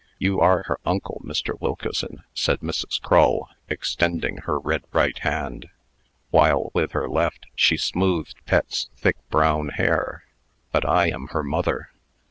"You are her uncle, Mr. Wilkeson," said Mrs. Crull, extending her red right hand, while, with her left, she smoothed Pet's thick brown hair, "but I am her mother."